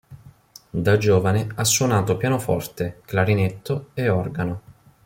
Da giovane ha suonato pianoforte, clarinetto e organo.